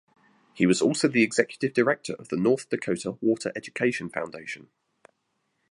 He was also the executive director of the North Dakota Water Education Foundation.